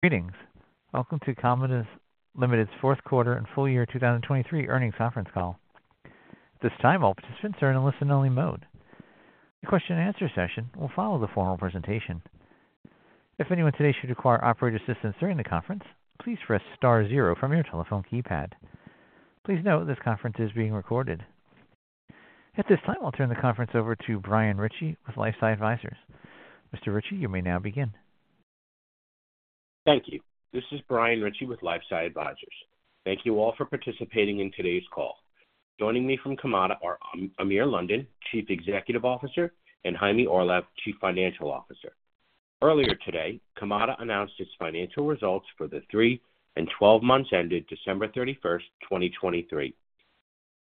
Greetings. Welcome to Kamada Limited's Fourth Quarter and Full Year 2023 Earnings Conference Call. At this time, all participants are in a listen-only mode. The question and answer session will follow the formal presentation. If anyone today should require operator assistance during the conference, please press star zero from your telephone keypad. Please note, this conference is being recorded. At this time, I'll turn the conference over to Brian Ritchie with LifeSci Advisors. Mr. Ritchie, you may now begin. Thank you. This is Brian Ritchie with LifeSci Advisors. Thank you all for participating in today's call. Joining me from Kamada are Amir London, Chief Executive Officer, and Chaime Orlev, Chief Financial Officer. Earlier today, Kamada announced its financial results for the three and 12 months ended December 31, 2023.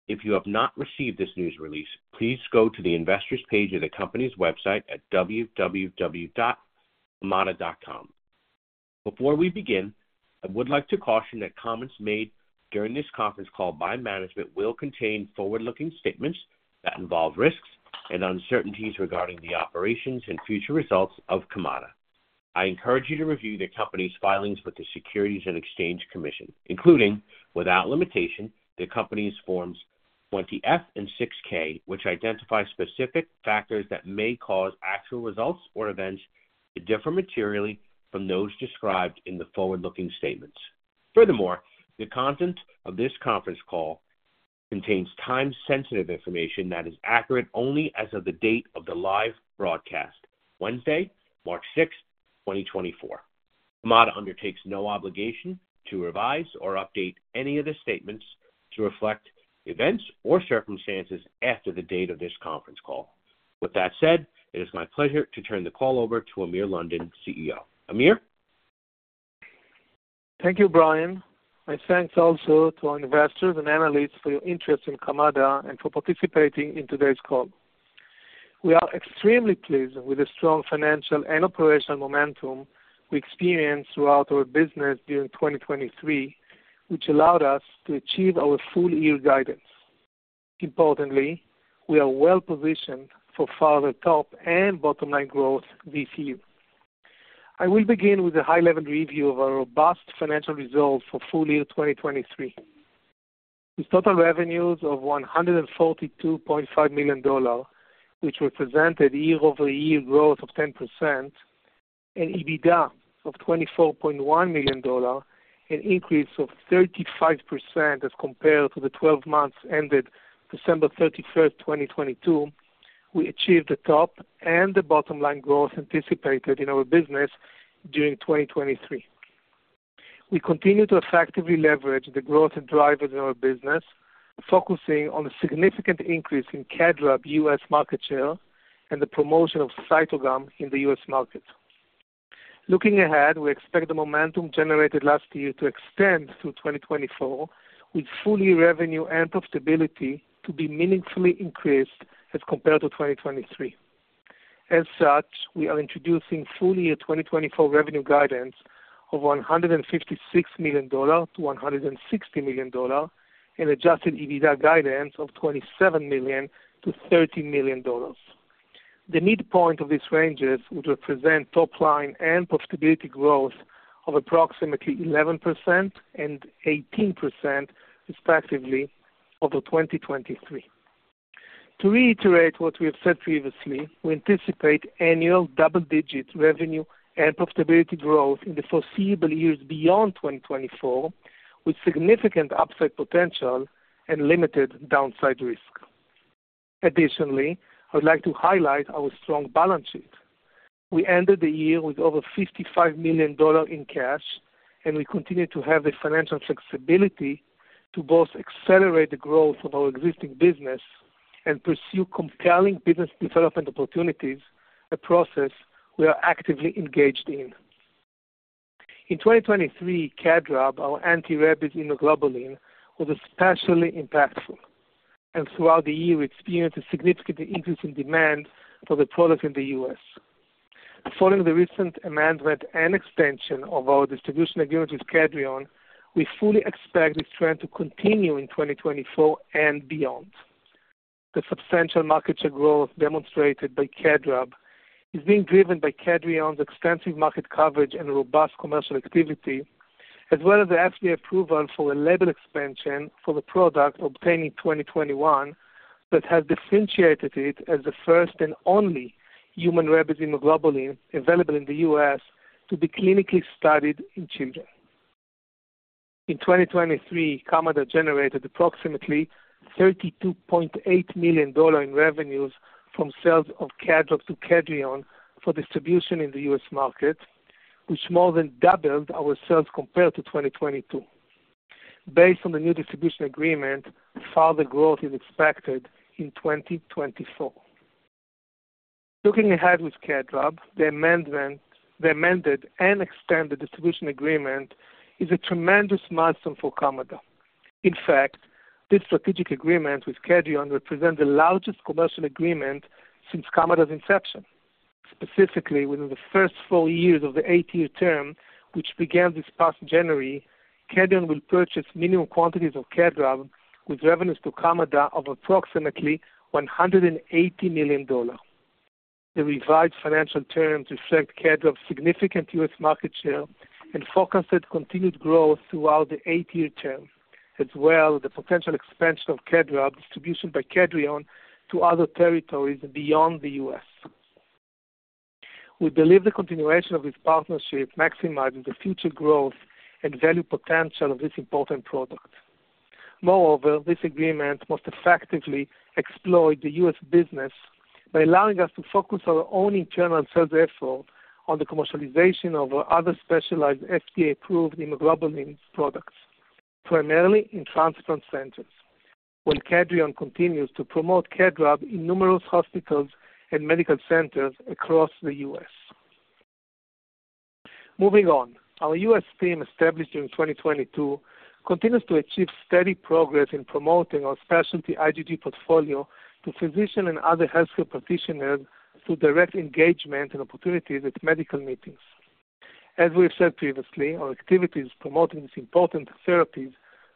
If you have not received this news release, please go to the Investors page of the company's website at www.kamada.com. Before we begin, I would like to caution that comments made during this conference call by management will contain forward-looking statements that involve risks and uncertainties regarding the operations and future results of Kamada. I encourage you to review the company's filings with the Securities and Exchange Commission, including, without limitation, the company's Forms 20-F and 6-K, which identify specific factors that may cause actual results or events to differ materially from those described in the forward-looking statements. Furthermore, the content of this conference call contains time-sensitive information that is accurate only as of the date of the live broadcast, Wednesday, March 6, 2024. Kamada undertakes no obligation to revise or update any of the statements to reflect events or circumstances after the date of this conference call. With that said, it is my pleasure to turn the call over to Amir London, CEO. Amir? Thank you, Brian, and thanks also to our investors and analysts for your interest in Kamada and for participating in today's call. We are extremely pleased with the strong financial and operational momentum we experienced throughout our business during 2023, which allowed us to achieve our full year guidance. Importantly, we are well positioned for further top and bottom-line growth this year. I will begin with a high-level review of our robust financial results for full year 2023. With total revenues of $142.5 million, which represented year-over-year growth of 10%, and EBITDA of $24.1 million, an increase of 35% as compared to the 12 months ended December 31, 2022, we achieved the top and the bottom line growth anticipated in our business during 2023. We continue to effectively leverage the growth and drivers in our business, focusing on a significant increase in KEDRAB U.S. market share and the promotion of CYTOGAM in the U.S. market. Looking ahead, we expect the momentum generated last year to extend through 2024, with full year revenue and profitability to be meaningfully increased as compared to 2023. As such, we are introducing full year 2024 revenue guidance of $156 million-$160 million, an adjusted EBITDA guidance of $27 million-$30 million. The midpoint of these ranges would represent top line and profitability growth of approximately 11% and 18%, respectively, over 2023. To reiterate what we have said previously, we anticipate annual double-digit revenue and profitability growth in the foreseeable years beyond 2024, with significant upside potential and limited downside risk. Additionally, I would like to highlight our strong balance sheet. We ended the year with over $55 million in cash, and we continue to have the financial flexibility to both accelerate the growth of our existing business and pursue compelling business development opportunities, a process we are actively engaged in. In 2023, KEDRAB, our anti-rabies immunoglobulin, was especially impactful, and throughout the year, we experienced a significant increase in demand for the product in the U.S. Following the recent amendment and extension of our distribution agreement with Kedrion, we fully expect this trend to continue in 2024 and beyond. The substantial market share growth demonstrated by KEDRAB is being driven by Kedrion's extensive market coverage and robust commercial activity, as well as the FDA approval for a label expansion for the product obtained in 2021, that has differentiated it as the first and only human rabies immunoglobulin available in the U.S. to be clinically studied in children. In 2023, Kamada generated approximately $32.8 million in revenues from sales of KEDRAB to Kedrion for distribution in the U.S. market, which more than doubled our sales compared to 2022. Based on the new distribution agreement, further growth is expected in 2024. Looking ahead with KEDRAB, the amendment, the amended and extended distribution agreement is a tremendous milestone for Kamada. In fact, this strategic agreement with Kedrion represents the largest commercial agreement since Kamada's inception. Specifically, within the first four years of the eight-year term, which began this past January, Kedrion will purchase minimum quantities of KEDRAB, with revenues to Kamada of approximately $180 million. The revised financial terms reflect KEDRAB's significant U.S. market share and forecasted continued growth throughout the eight-year term, as well as the potential expansion of KEDRAB distribution by Kedrion to other territories beyond the U.S. We believe the continuation of this partnership maximizes the future growth and value potential of this important product. Moreover, this agreement will effectively exploit the U.S. business by allowing us to focus our own internal sales effort on the commercialization of our other specialized FDA-approved immunoglobulin products, primarily in transplant centers, while Kedrion continues to promote KEDRAB in numerous hospitals and medical centers across the U.S. Moving on, our U.S. team, established in 2022, continues to achieve steady progress in promoting our specialty IgG portfolio to physicians and other healthcare practitioners through direct engagement and opportunities at medical meetings. As we have said previously, our activities promoting these important therapies,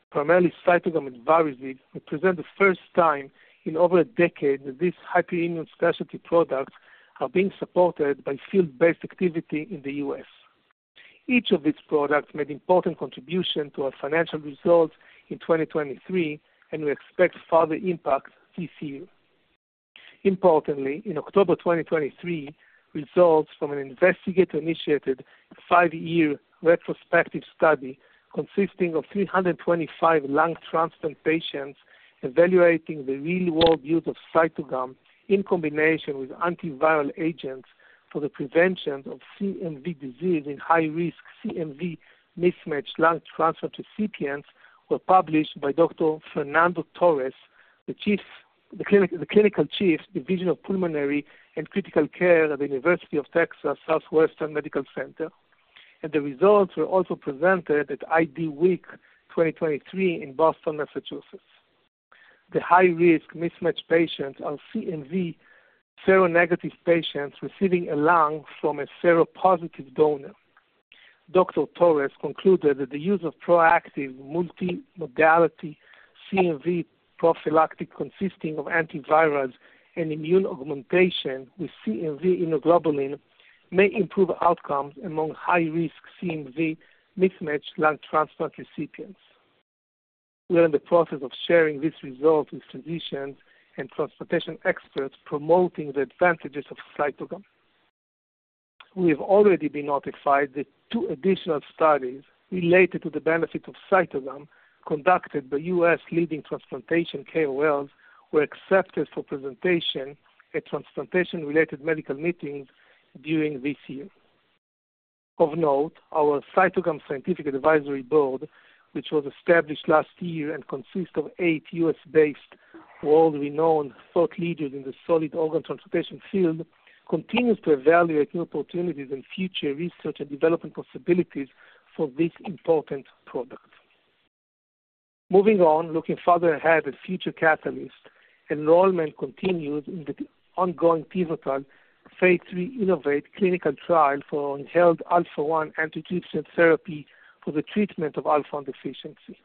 primarily CYTOGAM and VARIZIG, represent the first time in over a decade that these hyperimmune specialty products are being supported by field-based activity in the U.S. Each of these products made important contribution to our financial results in 2023, and we expect further impact this year. Importantly, in October 2023, results from an investigator-initiated five-year retrospective study consisting of 325 lung transplant patients, evaluating the real-world use of CYTOGAM in combination with antiviral agents for the prevention of CMV disease in high-risk CMV mismatched lung transplant recipients, were published by, Dr. Fernando Torres, the Clinical Chief, Division of Pulmonary and Critical Care at the University of Texas Southwestern Medical Center, and the results were also presented at IDWeek 2023 in Boston, Massachusetts. The high-risk mismatched patients are CMV seronegative patients receiving a lung from a seropositive donor. Dr. Torres concluded that the use of proactive multimodality CMV prophylactic, consisting of antivirals and immune augmentation with CMV immunoglobulin, may improve outcomes among high-risk CMV mismatched lung transplant recipients. We are in the process of sharing these results with physicians and transplantation experts, promoting the advantages of CYTOGAM. We have already been notified that two additional studies related to the benefits of CYTOGAM, conducted by U.S. leading transplantation KOLs, were accepted for presentation at transplantation-related medical meetings during this year. Of note, our CYTOGAM Scientific Advisory Board, which was established last year and consists of eight U.S.-based, world-renowned thought leaders in the solid organ transplantation field, continues to evaluate new opportunities and future research and development possibilities for this important product. Moving on, looking further ahead at future catalysts, enrollment continues in the ongoing pivotal phase III InnovAATe clinical trial for inhaled Alpha-1 Antitrypsin therapy for the treatment of Alpha-1 Antitrypsin Deficiency.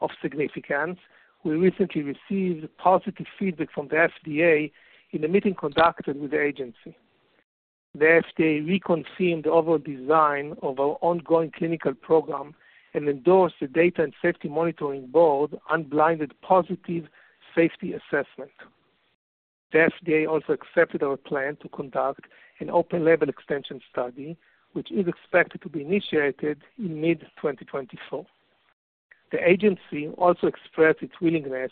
Of significance, we recently received positive feedback from the FDA in a meeting conducted with the agency. The FDA reconfirmed the overall design of our ongoing clinical program and endorsed the Data and Safety Monitoring Board unblinded positive safety assessment. The FDA also accepted our plan to conduct an open-label extension study, which is expected to be initiated in mid-2024. The agency also expressed its willingness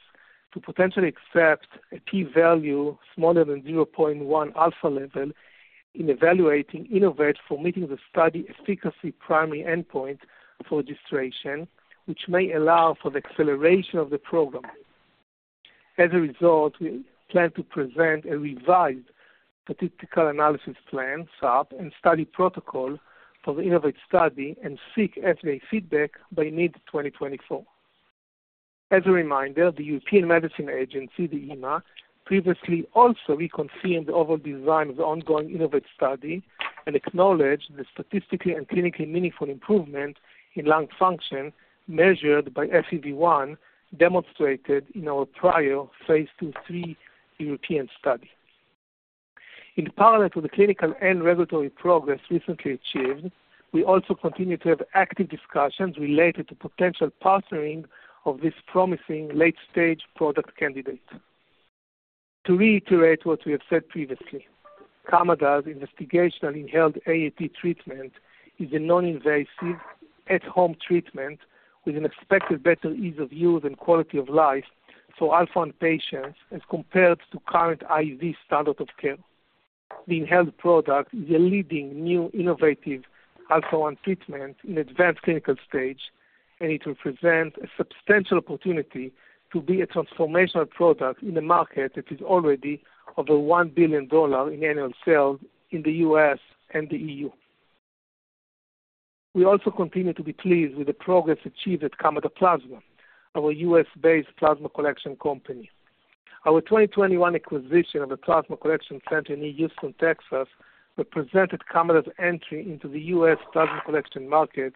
to potentially accept a P-value smaller than 0.1 alpha level in evaluating InnovAATe for meeting the study efficacy primary endpoint for registration, which may allow for the acceleration of the program. As a result, we plan to present a revised statistical analysis plan, SAP, and study protocol for the InnovAATe study and seek FDA feedback by mid-2024. As a reminder, the European Medicines Agency, the EMA, previously also reconfirmed the overall design of the ongoing InnovAATe study and acknowledged the statistically and clinically meaningful improvement in lung function measured by FEV1, demonstrated in our prior phase II/III European study. In parallel to the clinical and regulatory progress recently achieved, we also continue to have active discussions related to potential partnering of this promising late-stage product candidate. To reiterate what we have said previously, Kamada's investigational inhaled AAT treatment is a non-invasive, at-home treatment with an expected better ease of use and quality of life for Alpha-1 patients as compared to current IV standard of care. The inhaled product is a leading new innovative Alpha-1 treatment in advanced clinical stage, and it represents a substantial opportunity to be a transformational product in a market that is already over $1 billion in annual sales in the U.S. and the EU. We also continue to be pleased with the progress achieved at Kamada Plasma, our U.S.-based plasma collection company. Our 2021 acquisition of a plasma collection center near Houston, Texas, represented Kamada's entry into the U.S. plasma collection market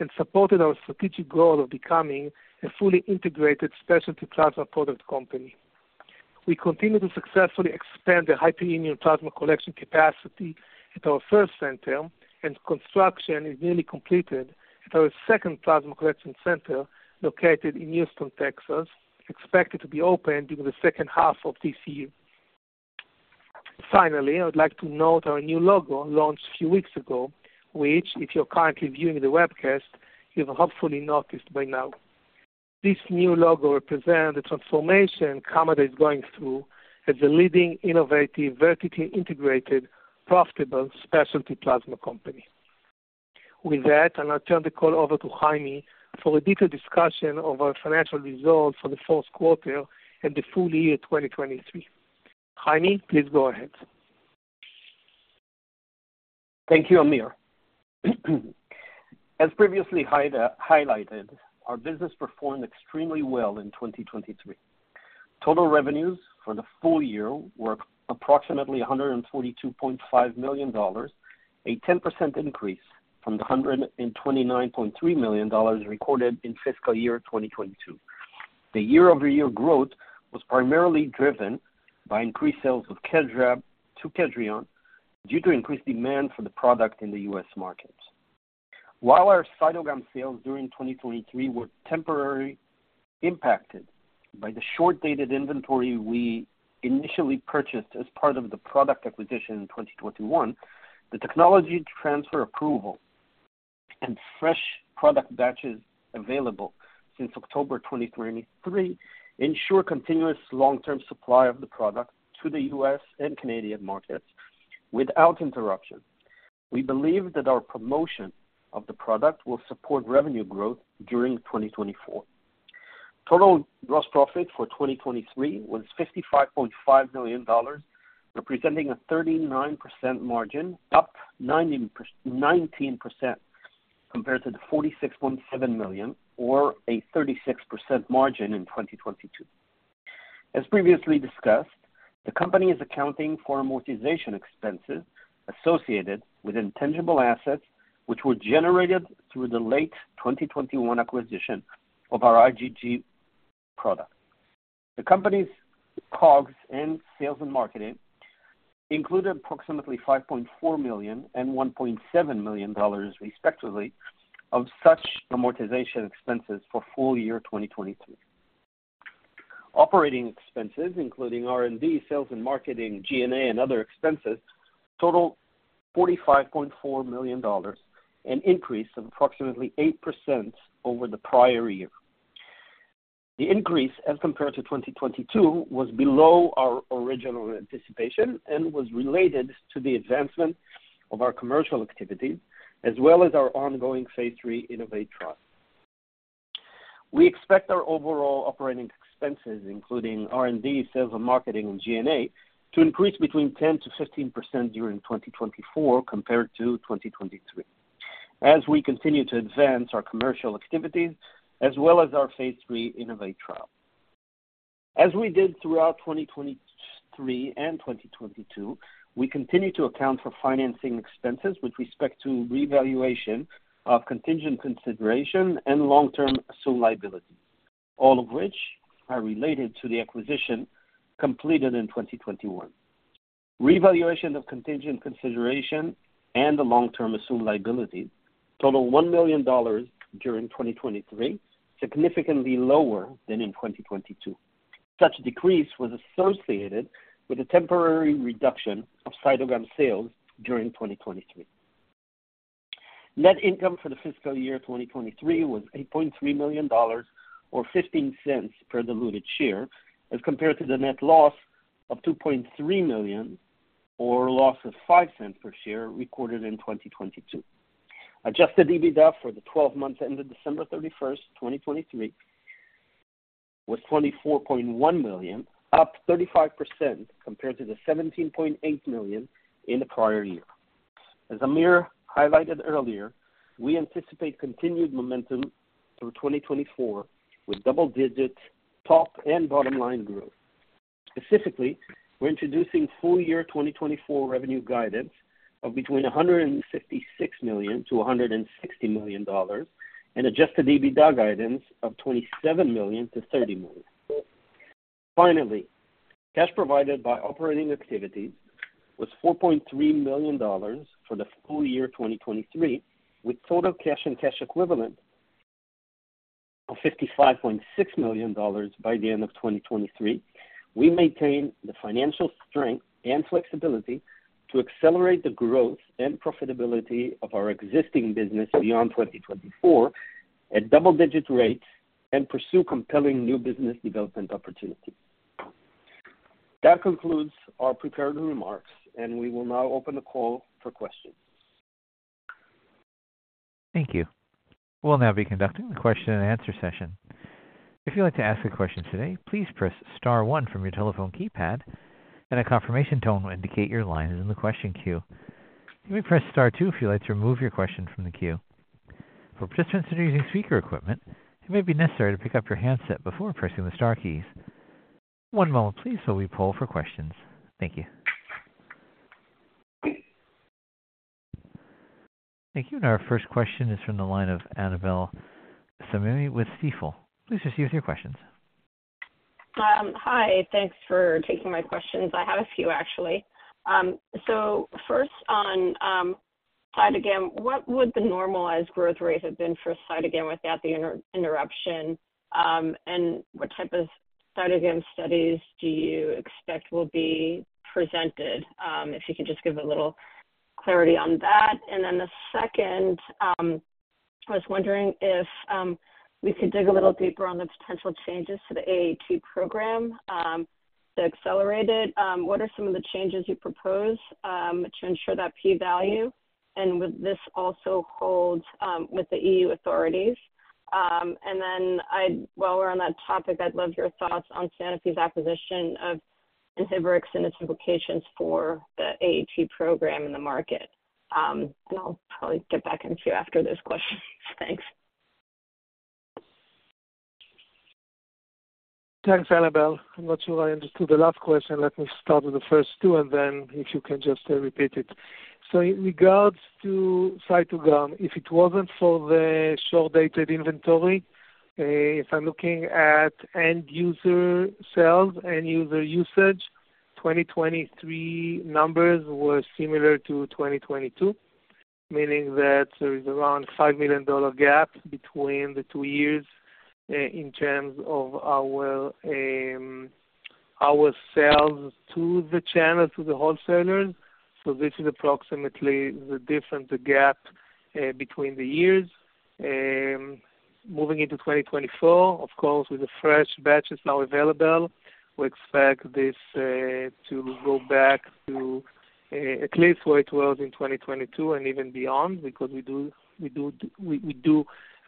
and supported our strategic goal of becoming a fully integrated specialty plasma product company. We continue to successfully expand the hyperimmune plasma collection capacity at our first center, and construction is nearly completed at our second plasma collection center, located in Houston, Texas, expected to be opened during the second half of this year. Finally, I would like to note our new logo, launched a few weeks ago, which, if you're currently viewing the webcast, you've hopefully noticed by now. This new logo represents the transformation Kamada is going through as a leading, innovative, vertically integrated, profitable specialty plasma company. With that, I'll now turn the call over to Chaime for a detailed discussion of our financial results for the fourth quarter and the full year 2023. Chaime, please go ahead. Thank you, Amir. As previously highlighted, our business performed extremely well in 2023. Total revenues for the full year were approximately $142.5 million, a 10% increase from the $129.3 million recorded in fiscal year 2022. The year-over-year growth was primarily driven by increased sales of KEDRAB to Kedrion due to increased demand for the product in the U.S. market. While our CYTOGAM sales during 2023 were temporarily impacted by the short-dated inventory we initially purchased as part of the product acquisition in 2021, the technology transfer approval and fresh product batches available since October 2023 ensure continuous long-term supply of the product to the U.S. and Canadian markets without interruption. We believe that our promotion of the product will support revenue growth during 2024. Total gross profit for 2023 was $55.5 million, representing a 39% margin, up 19% compared to the $46.7 million, or a 36% margin in 2022. As previously discussed, the company is accounting for amortization expenses associated with intangible assets, which were generated through the late 2021 acquisition of our IgG product. The company's COGS and sales and marketing included approximately $5.4 million and $1.7 million, respectively, of such amortization expenses for full year 2022. Operating expenses, including R&D, sales and marketing, G&A, and other expenses, totaled $45.4 million, an increase of approximately 8% over the prior year. The increase, as compared to 2022, was below our original anticipation and was related to the advancement of our commercial activities, as well as our ongoing phase III InnovAATe trial. We expect our overall operating expenses, including R&D, sales and marketing, and G&A, to increase between 10%-15% during 2024 compared to 2023, as we continue to advance our commercial activities as well as our phase III InnovAATe trial. As we did throughout 2023 and 2022, we continue to account for financing expenses with respect to revaluation of contingent consideration and long-term assumed liability, all of which are related to the acquisition completed in 2021. Revaluation of contingent consideration and the long-term assumed liability total $1 million during 2023, significantly lower than in 2022. Such decrease was associated with a temporary reduction of CYTOGAM sales during 2023. Net income for the fiscal year 2023 was $8.3 million, or $0.15 per diluted share, as compared to the net loss of $2.3 million, or a loss of $0.05 per share, recorded in 2022. Adjusted EBITDA for the 12 months ended December 31, 2023, was $24.1 million, up 35% compared to the $17.8 million in the prior year. As Amir highlighted earlier, we anticipate continued momentum through 2024, with double digits, top and bottom line growth. Specifically, we're introducing full year 2024 revenue guidance of between $156 million to $160 million, and adjusted EBITDA guidance of $27 million-$30 million. Finally, cash provided by operating activities was $4.3 million for the full year 2023, with total cash and cash equivalent of $55.6 million by the end of 2023. We maintain the financial strength and flexibility to accelerate the growth and profitability of our existing business beyond 2024 at double-digit rates and pursue compelling new business development opportunities. That concludes our prepared remarks, and we will now open the call for questions. Thank you. We'll now be conducting a question and answer session. If you'd like to ask a question today, please press star one from your telephone keypad, and a confirmation tone will indicate your line is in the question queue. You may press star two if you'd like to remove your question from the queue. For participants that are using speaker equipment, it may be necessary to pick up your handset before pressing the star keys. One moment please, while we poll for questions. Thank you. Thank you. Our first question is from the line of Annabel Samimy with Stifel. Please proceed with your questions. Hi, thanks for taking my questions. I have a few actually. So first on, CYTOGAM, what would the normalized growth rate have been for CYTOGAM without the interruption, and what type of CYTOGAM studies do you expect will be presented? If you could just give a little clarity on that. And then the second, I was wondering if, we could dig a little deeper on the potential changes to the AAT program, the accelerated. What are some of the changes you propose, to ensure that P-value, and would this also hold, with the EU authorities? And then while we're on that topic, I'd love your thoughts on Sanofi's acquisition of Inhibrx and its implications for the AAT program in the market. And I'll probably get back to you after those questions. Thanks. Thanks, Annabel. I'm not sure I understood the last question. Let me start with the first two, and then if you can just repeat it. So in regards to CYTOGAM, if it wasn't for the short-dated inventory, if I'm looking at end user sales, end user usage, 2023 numbers were similar to 2022, meaning that there is around $5 million gap between the two years, in terms of our sales to the channel, to the wholesalers, so this is approximately the difference, the gap, between the years. Moving into 2024, of course, with the fresh batches now available, we expect this to go back to at least where it was in 2022 and even beyond, because we do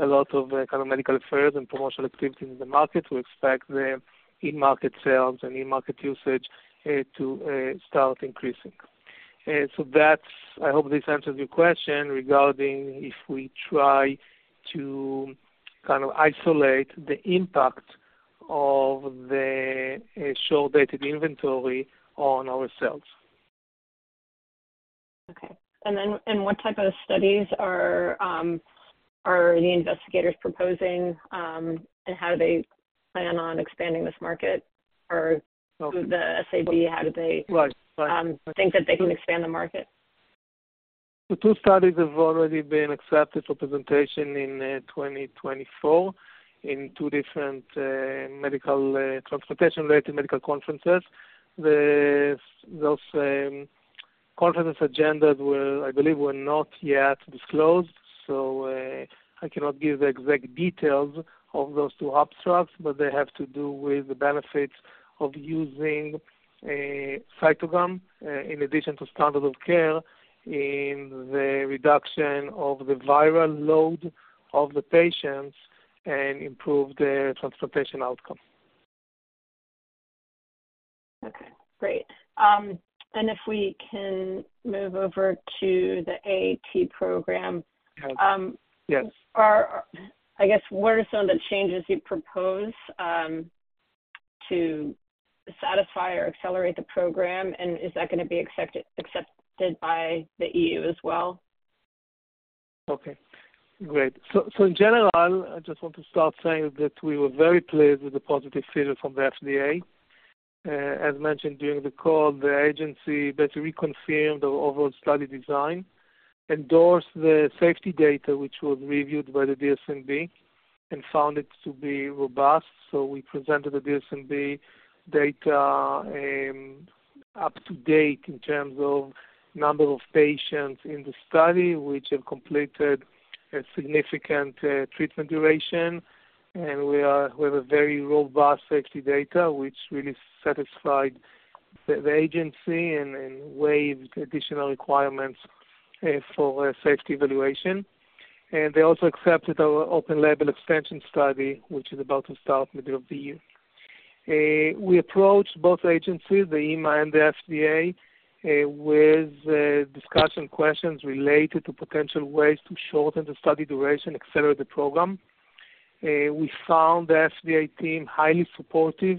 a lot of kind of medical affairs and promotional activities in the market. We expect the in-market sales and in-market usage to start increasing. So that's. I hope this answers your question regarding if we try to kind of isolate the impact of the short-dated inventory on our sales. Okay. And then, what type of studies are the investigators proposing, and how do they plan on expanding this market or- So- the SAB, how do they Right. Right think that they can expand the market? The two studies have already been accepted for presentation in 2024 in two different medical transplantation-related medical conferences. Those conference agendas were, I believe, not yet disclosed, so I cannot give the exact details of those two abstracts, but they have to do with the benefits of using CYTOGAM in addition to standard of care, in the reduction of the viral load of the patients and improve the transplantation outcome. Okay, great. And if we can move over to the AAT program. Yes. Yes. I guess, what are some of the changes you propose to satisfy or accelerate the program? Is that gonna be accepted by the EU as well? Okay, great. So in general, I just want to start saying that we were very pleased with the positive feedback from the FDA. As mentioned during the call, the agency basically reconfirmed the overall study design, endorsed the safety data, which was reviewed by the DSMB, and found it to be robust. So we presented the DSMB data up to date in terms of number of patients in the study, which have completed a significant treatment duration, and we are, we have a very robust safety data, which really satisfied the, the agency and, and waived additional requirements for safety evaluation. And they also accepted our open-label expansion study, which is about to start middle of the year. We approached both agencies, the EMA and the FDA, with discussion questions related to potential ways to shorten the study duration, accelerate the program. We found the FDA team highly supportive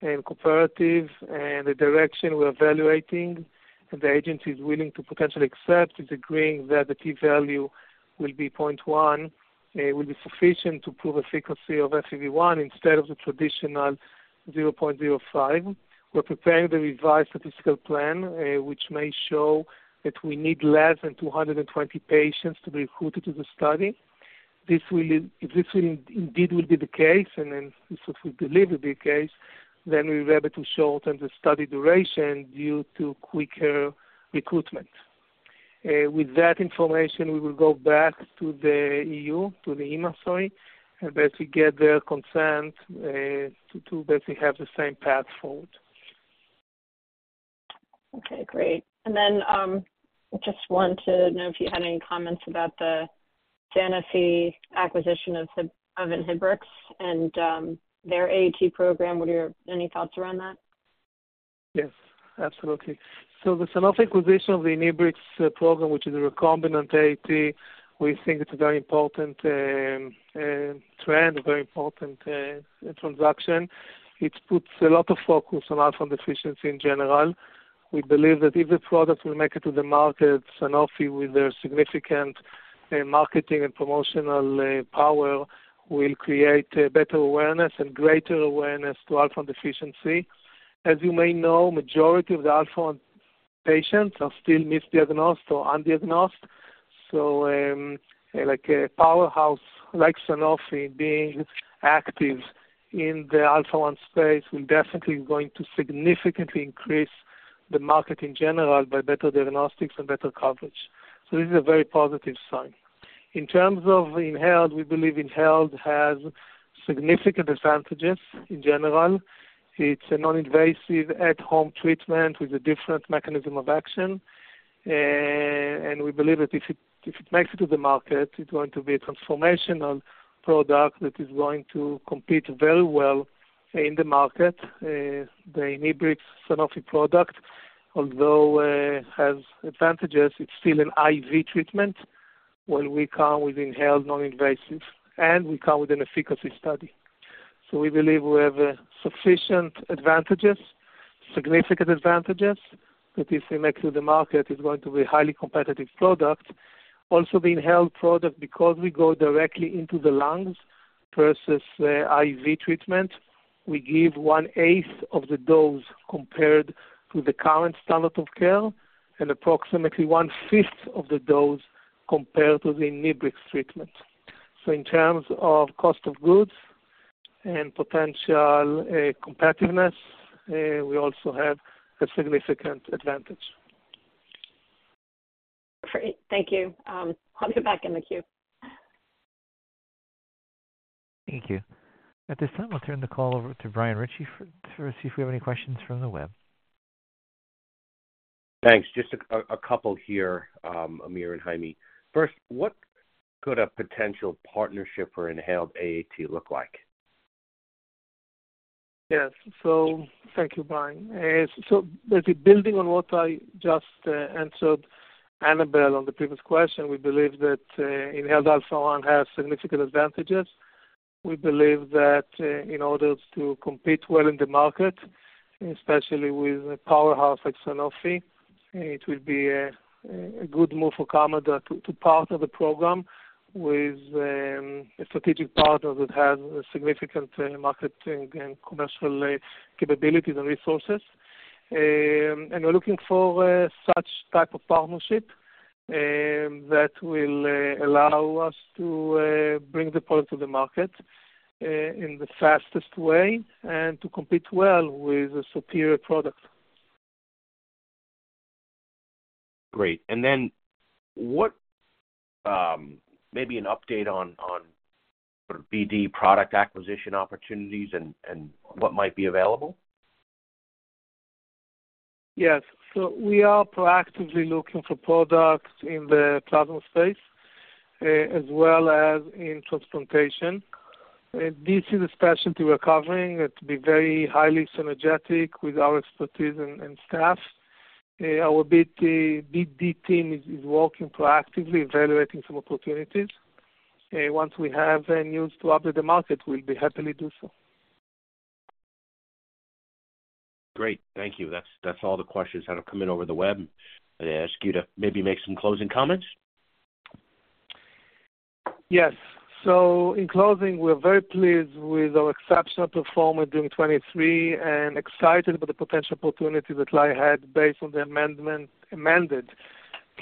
and cooperative, and the direction we're evaluating, and the agency is willing to potentially accept, is agreeing that the p-value will be 0.1. It will be sufficient to prove the frequency of FEV1 instead of the traditional 0.05. We're preparing the revised statistical plan, which may show that we need less than 220 patients to be recruited to the study. This will, if this will indeed be the case, and then this is we believe will be case, then we're able to shorten the study duration due to quicker recruitment. With that information, we will go back to the EU, to the EMA, sorry, and basically get their consent, to, to basically have the same path forward. Okay, great. And then, I just want to know if you had any comments about the Sanofi acquisition of, of Inhibrx and, their AAT program. What are your any thoughts around that? Yes, absolutely. So the Sanofi acquisition of the Inhibrx program, which is a recombinant AAT, we think it's a very important trend, a very important transaction. It puts a lot of focus on Alpha-1 deficiency in general. We believe that if the product will make it to the market, Sanofi, with their significant marketing and promotional power, will create a better awareness and greater awareness to Alpha-1 deficiency. As you may know, majority of the Alpha-1 patients are still misdiagnosed or undiagnosed. So, like, a powerhouse like Sanofi being active in the Alpha-1 space will definitely going to significantly increase the market in general by better diagnostics and better coverage. So this is a very positive sign. In terms of inhaled, we believe inhaled has significant advantages in general. It's a non-invasive at-home treatment with a different mechanism of action. We believe that if it makes it to the market, it's going to be a transformational product that is going to compete very well in the market. The Inhibrx Sanofi product, although has advantages, it's still an IV treatment, while we come with inhaled non-invasive, and we come with an efficacy study. So we believe we have sufficient advantages, significant advantages, that if we make to the market, is going to be a highly competitive product. Also, the inhaled product, because we go directly into the lungs versus IV treatment, we give on 1/8 of the dose compared to the current standard of care, and approximately 1/5 of the dose compared to the Inhibrx treatment. So in terms of cost of goods and potential competitiveness, we also have a significant advantage. Great. Thank you. I'll get back in the queue. Thank you. At this time, I'll turn the call over to Brian Ritchie to see if we have any questions from the web. Thanks. Just a couple here, Amir and Chaime. First, what could a potential partnership for Inhaled AAT look like? Yes. Thank you, Brian. Basically building on what I just answered Annabel on the previous question, we believe that inhaled Alpha-1 has significant advantages. We believe that in order to compete well in the market, especially with a powerhouse like Sanofi, it will be a good move for Kamada to partner the program with a strategic partner that has significant marketing and commercial capabilities and resources. And we're looking for such type of partnership that will allow us to bring the product to the market in the fastest way and to compete well with a superior product. Great. And then, maybe an update on sort of BD product acquisition opportunities and what might be available? Yes. So we are proactively looking for products in the plasma space, as well as in transplantation. This is a specialty we're covering, it's to be very highly synergistic with our expertise and staff. Our BD team is working proactively evaluating some opportunities. Once we have any news to update the market, we'll be happy to do so. Great. Thank you. That's, that's all the questions that have come in over the web. I'd ask you to maybe make some closing comments. Yes. So in closing, we're very pleased with our exceptional performance during 2023 and excited about the potential opportunity that lie ahead based on the amendment, amended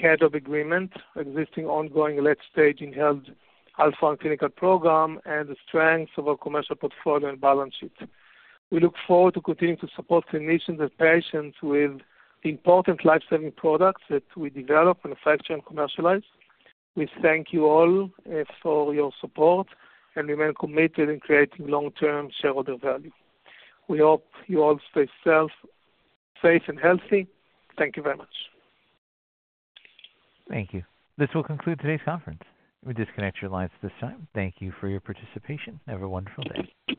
KEDRAB agreement, existing ongoing late-stage inhaled alpha and clinical program, and the strengths of our commercial portfolio and balance sheet. We look forward to continuing to support clinicians and patients with the important life-saving products that we develop and manufacture and commercialize. We thank you all for your support, and remain committed in creating long-term shareholder value. We hope you all stay safe and healthy. Thank you very much. Thank you. This will conclude today's conference. You may disconnect your lines at this time. Thank you for your participation. Have a wonderful day.